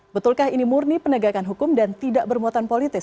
betulkah ini murni penegakan hukum dan tidak bermuatan politis